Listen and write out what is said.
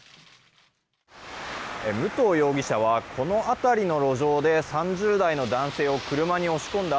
武藤容疑者はこの辺りの路上で３０代の男性を車に押し込んだ